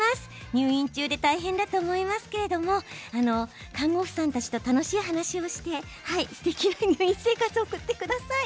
入院中で大変だと思いますけれども看護師さんたちと楽しいお話をしてすてきな入院生活を送ってください。